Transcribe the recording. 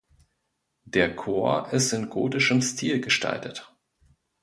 Der Chor ist in gotischem Stil gestaltet.